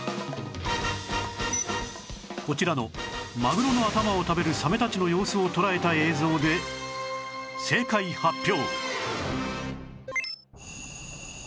こちらのマグロの頭を食べるサメたちの様子を捉えた映像で正解発表